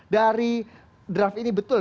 dari draft ini betul